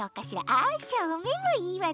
あしょうめんもいいわね。